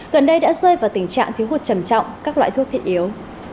gần đây đã rơi vào tình trạng thiếu hụt trầm trọng các loại thuốc thiết yếu